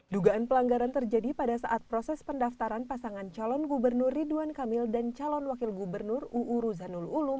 dugaan pelanggaran terjadi pada saat proses pendaftaran pasangan calon gubernur ridwan kamil dan calon wakil gubernur uu ruzanul ulum